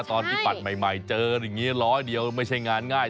ตอนที่ปัดใหม่เจออย่างนี้ร้อยเดียวไม่ใช่งานง่าย